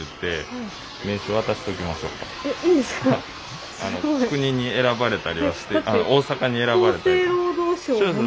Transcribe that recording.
すごい。国に選ばれたりはして大阪に選ばれて。